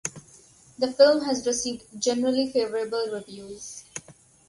The film has received generally favorable reviews.